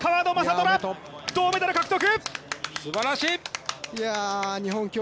虎、銅メダル獲得！